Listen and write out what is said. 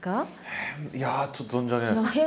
変いやちょっと存じ上げない。